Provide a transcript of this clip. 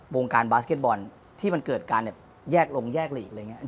วงการบาสเก็ตบอลที่มันเกิดการแบบแยกลงแยกหลีกอะไรอย่างนี้